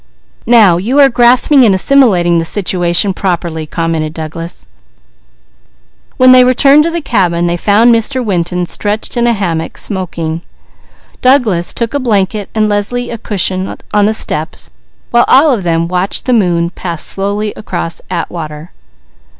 "Now you are grasping and assimilating the situation properly," commented Douglas. When they returned to the cabin they found Mr. Winton stretched in a hammock smoking. Douglas took a blanket and Leslie a cushion on the steps, while all of them watched the moon pass slowly across Atwater.